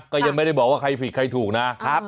ก็ยังไม่ได้บอกว่าใครผิดใครถูกนะครับ